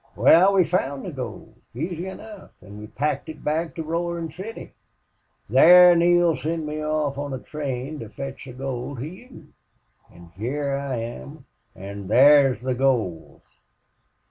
Wal, we found the gold, easy enough, an' we packed it back to Roarin' City. Thar Neale sent me off on a train to fetch the gold to you. An' hyar I am an' thar's the gold."